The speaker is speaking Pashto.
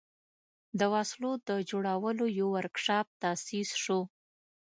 د وسلو د جوړولو یو ورکشاپ تأسیس شو.